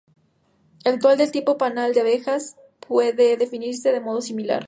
El dual del tipo "panal de abejas" puede definirse de modo similar.